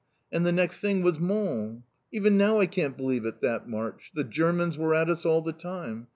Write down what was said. and the next thing was Mons! Even now I can't believe it, that march. The Germans were at us all the time.